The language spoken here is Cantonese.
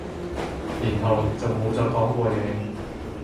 然後就冇再講過嘢